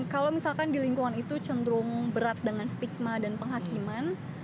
kalau misalkan di lingkungan itu cenderung berat dengan stigma dan penghakiman